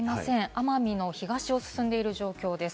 奄美の東を進んでいる状況です。